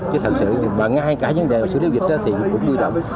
chứ thật sự ngay cả vấn đề xử lý dịch thì cũng vui lòng